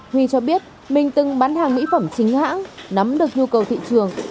huy cho biết mình từng bán hàng mỹ phẩm chính hãng nắm được nhu cầu thị trường